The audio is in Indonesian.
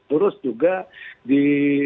terus juga di